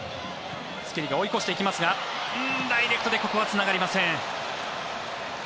スキリが追い越していきますがダイレクトでここはつながりません。